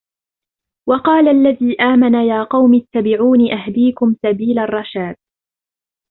وَقَالَ الَّذِي آمَنَ يَا قَوْمِ اتَّبِعُونِ أَهْدِكُمْ سَبِيلَ الرَّشَادِ